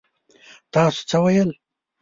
تاسو څه ويل؟